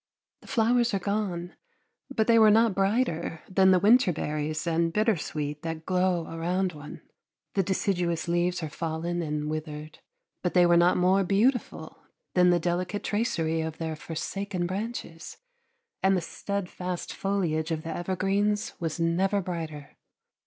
The flowers are gone, but they were not brighter than the winter berries and bittersweet that glow around one. The deciduous leaves are fallen and withered, but they were not more beautiful than the delicate tracery of their forsaken branches, and the steadfast foliage of the evergreens was never brighter.